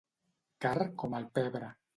Car com el pebre.